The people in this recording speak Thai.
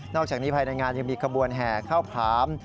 อกจากนี้ภายในงานยังมีขบวนแห่ข้าวผาม